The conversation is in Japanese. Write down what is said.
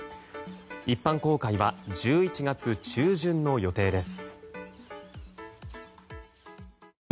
一般公開は１１月中旬の予定です。